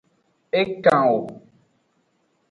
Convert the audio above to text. E kan wo.